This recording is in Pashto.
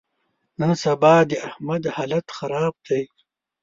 نن سبا د احمد حالت خراب دی.